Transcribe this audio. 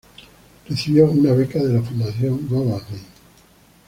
Recibió una beca de la Fundación Guggenheim.